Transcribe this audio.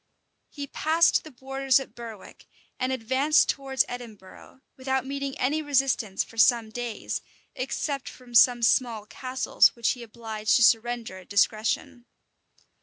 He passed the borders at Berwick, and advanced towards Edinburgh, without meeting any resistance for some days, except from some small castles, which he obliged to surrender at discretion.